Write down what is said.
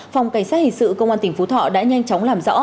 phòng cảnh sát hình sự công an tỉnh phú thọ đã nhanh chóng làm rõ